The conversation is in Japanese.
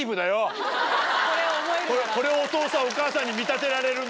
これをお父さんお母さんに見立てられるんなら。